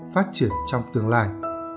phát triển trong tương lai